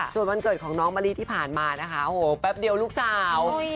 ส่วนวันเกิดของน้องมะลิที่ผ่านมานะคะโอ้โหแป๊บเดียวลูกสาว